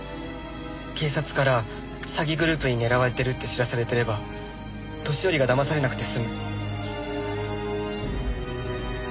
警察から詐欺グループに狙われてるって知らされてれば年寄りがだまされなくて済む。